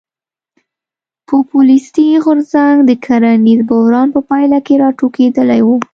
پوپولیستي غورځنګ د کرنیز بحران په پایله کې راټوکېدلی و.